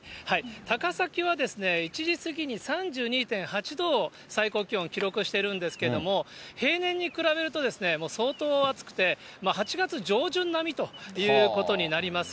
高崎は１時過ぎに３２．８度を、最高気温記録しているんですけれども、平年に比べるとですね、相当暑くて、８月上旬並みということになります。